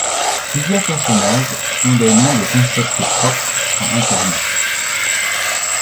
Plusieurs personnages ont des noms de concepts propres à Internet.